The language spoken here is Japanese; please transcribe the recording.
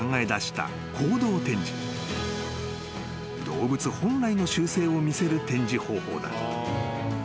［動物本来の習性を見せる展示方法だ］